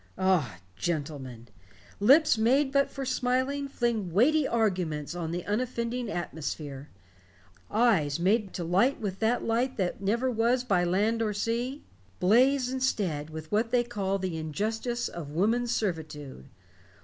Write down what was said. Ah, gentlemen! Lips, made but for smiling, fling weighty arguments on the unoffending atmosphere. Eyes, made to light with that light that never was by land or sea, blaze instead with what they call the injustice of woman's servitude.